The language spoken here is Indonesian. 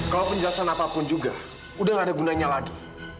kalau penjelasan apapun juga udah gak ada gunanya lagi